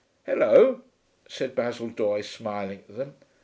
'Hullo,' said Basil Doye, smiling at them.